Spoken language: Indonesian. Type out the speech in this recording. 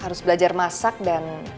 harus belajar masak dan